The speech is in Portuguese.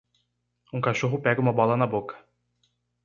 Um cachorro pega uma bola na boca.